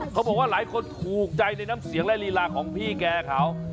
เขาบอกว่าหลายคนถูกใจในน้ำเสียงและลีลาของพี่แกเขา